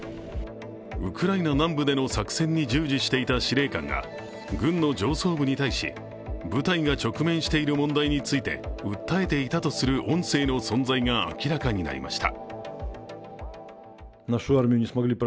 ウクライナ南部での作戦に従事していた司令官が軍の上層部に対し部隊が直面している問題について訴えていたとする音声の存在が明らかになりました。